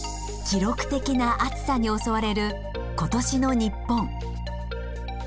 記録的な暑さに襲われる今年の日本。